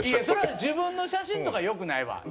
それは自分の写真とか良くないわ。